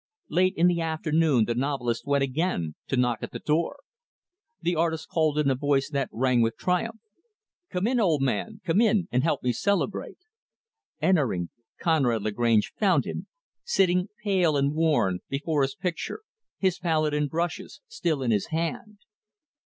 Late in the afternoon, the novelist went, again, to knock at the door. The artist called in a voice that rang with triumph, "Come in, old man, come in and help me celebrate." Entering, Conrad Lagrange found him; sitting, pale and worn, before his picture his palette and brushes still in his hand.